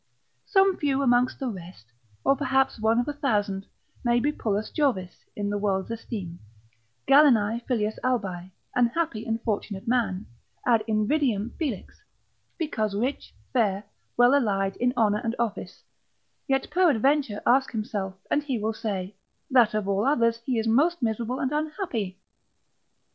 Some few amongst the rest, or perhaps one of a thousand, may be Pullus Jovis, in the world's esteem, Gallinae filius albae, an happy and fortunate man, ad invidiam felix, because rich, fair, well allied, in honour and office; yet peradventure ask himself, and he will say, that of all others he is most miserable and unhappy.